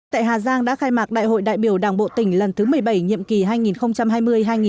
tại hà giang đã khai mạc đại hội đại biểu đảng bộ tỉnh lần thứ một mươi bảy nhiệm kỳ hai nghìn hai mươi hai nghìn hai mươi năm